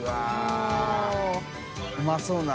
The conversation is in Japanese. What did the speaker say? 舛うまそうな。